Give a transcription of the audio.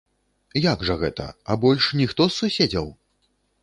Як жа гэта, а больш ніхто з суседзяў?